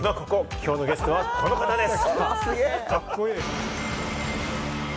きょうのゲストはこの方です。